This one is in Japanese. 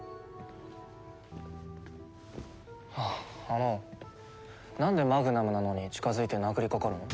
あのなんでマグナムなのに近づいて殴りかかるの？